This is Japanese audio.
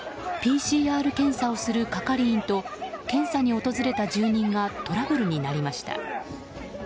ＰＣＲ検査をする係員と検査に訪れた住人がトラブルになりました。